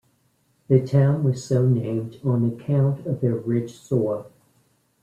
The town was so named on account of their rich soil.